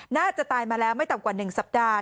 น่าจะตายมาแล้วไม่ต่ำกว่า๑สัปดาห์